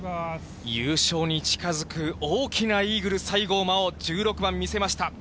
優勝に近づく大きなイーグル、西郷真央、１６番見せました。